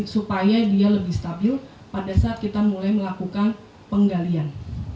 supaya dia lebih stabil pada saat kita mulai melakukan penggalian